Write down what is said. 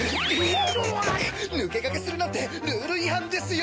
抜け駆けするなんてルール違反ですよ！